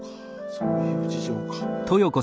そういう事情か。